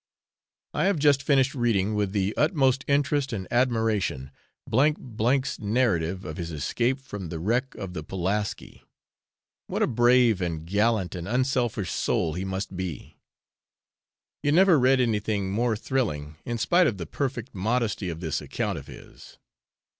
I have just finished reading, with the utmost interest and admiration, J C 's narrative of his escape from the wreck of the Poolaski: what a brave, and gallant, and unselfish soul he must be! You never read anything more thrilling, in spite of the perfect modesty of this account of his.